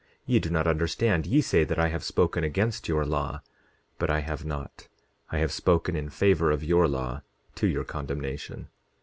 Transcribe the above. Ye do not understand; ye say that I have spoken against your law; but I have not, but I have spoken in favor of your law, to your condemnation.